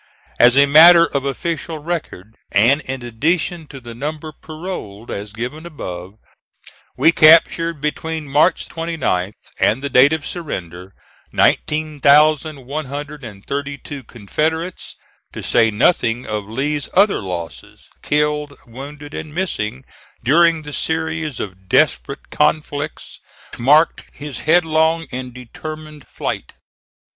As a matter of official record, and in addition to the number paroled as given above, we captured between March 29th and the date of surrender 19,132 Confederates, to say nothing of Lee's other losses, killed, wounded and missing, during the series of desperate conflicts which marked his headlong and determined flight.